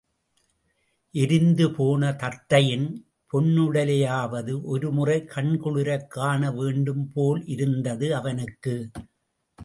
எரிந்து போன தத்தையின் பொன்னுடலையாவது ஒரு முறை கண்குளிரக் காண வேண்டும் போலிருந்தது அவனுக்கு.